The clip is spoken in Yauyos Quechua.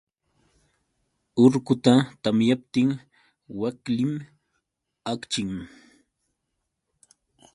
Urquta tamyaptin waklim akchin.